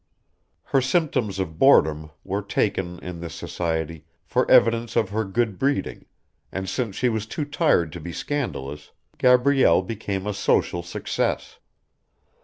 Her symptoms of boredom were taken, in this society, for evidence of her good breeding, and since she was too tired to be scandalous, Gabrielle became a social success.